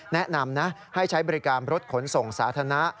แนะนำนะให้ใช้บริการรถขนส่งสาธารณะ